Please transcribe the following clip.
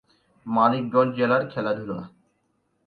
মানিকগঞ্জ জেলার খেলাধুলা